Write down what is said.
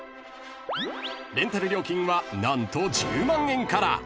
［レンタル料金は何と１０万円から］